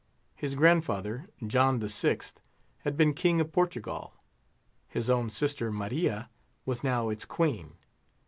His grandfather, John VI., had been King of Portugal; his own sister, Maria, was now its queen.